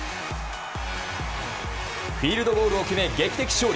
フィールドゴールを決め劇的勝利。